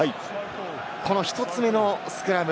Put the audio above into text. １つ目のスクラム。